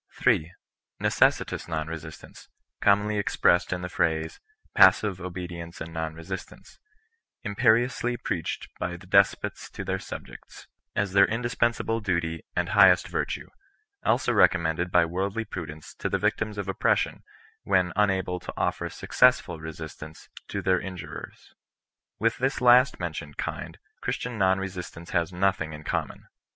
3. Necessitous non resistance, commonly expressed in the phrase, "pctssive obedience and non^eiistance,''^ imperiously preached by despots to their suhfects^ as their indispensable duty and highest virtue; also recommended hj worldly prudence to the victims of oppression whea 2 OHBISTIAN NOK BESISTANCE. unable to offer mccessfvl resistance to their injurenr. With this last mentioned kind Christian non resistance has nothing in common.